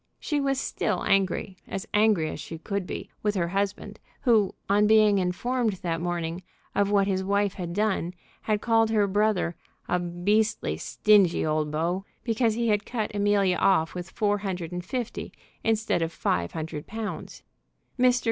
She was still angry, as angry as she could be, with her husband, who on being informed that morning of what his wife had done had called her brother "a beastly, stingy old beau," because he had cut Amelia off with four hundred and fifty instead of five hundred pounds. Mr.